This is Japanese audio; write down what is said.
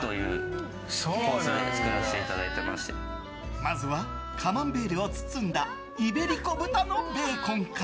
まずはカマンベールを包んだイベリコ豚のベーコンから。